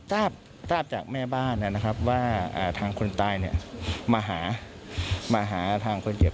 เราก็ทราบจากแม่บ้านว่าทางคนตายมาหาทางคนเจ็บ